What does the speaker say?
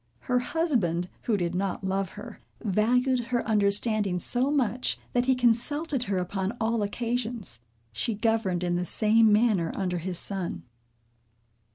Her husband, who did not love her, valued her understanding so much, that he consulted her upon all occasions. She governed in the same manner under his son.